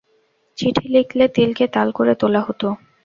চিঠি লিখলে তিলকে তাল করে তোলা হত।